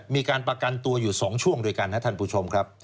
มีการประกันตัวอยู่๒ช่วงด้วยกันนะท่านผู้ชมครับ